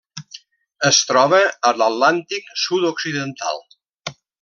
Es troba a l'Atlàntic sud-occidental: